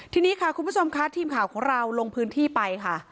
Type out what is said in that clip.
ทีนี้ค่ะคุณผู้ชมค่ะทีมข่าวของเราลงพื้นที่ไปค่ะ